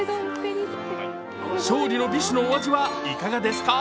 勝利の美酒のお味はいかがですか？